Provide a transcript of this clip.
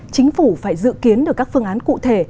chính phủ phải dự kiến được các phương án cụ thể